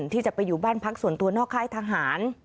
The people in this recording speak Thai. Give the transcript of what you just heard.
ที่จะไปอยู่บ้านพักส่วนตัวนอกค่ายทหาร